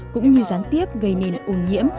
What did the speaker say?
cũng như gián tiếp gây nên ô nhiễm